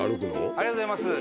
ありがとうございます。